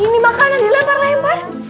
ini makanan dilempar lempar